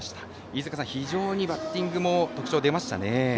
飯塚さん、非常にバッティングも特徴が出ましたね。